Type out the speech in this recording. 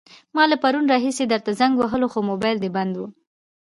ما له پرون راهيسې درته زنګ وهلو، خو موبايل دې بند وو.